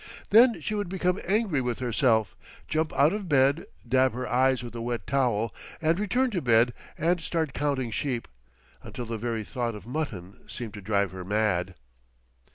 Then she would become angry with herself, jump out of bed, dab her eyes with a wet towel, and return to bed and start counting sheep, until the very thought of mutton seemed to drive her mad.